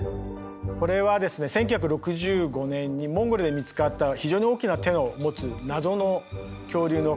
これはですね１９６５年にモンゴルで見つかった非常に大きな手を持つ謎の恐竜の化石です。